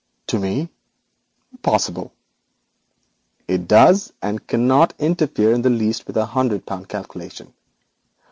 'To me? Impossible!' 'It does, and cannot interfere in the least with our century calculation.